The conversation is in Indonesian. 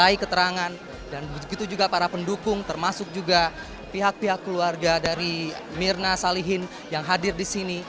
irna salihin yang hadir disini